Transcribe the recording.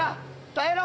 耐えろ！